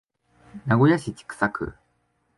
名古屋市千種区